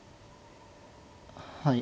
はい。